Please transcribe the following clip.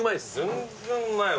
全然うまいわ。